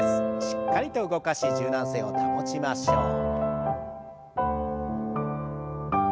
しっかりと動かし柔軟性を保ちましょう。